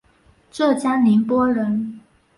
浙江宁波人。